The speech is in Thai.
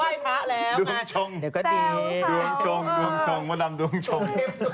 อ้าวเขาก็ต้องไปไหว้พระแล้วแซวขาวมันนำดวงชง